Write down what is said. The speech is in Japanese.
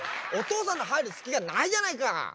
おとうさんのはいるすきがないじゃないか！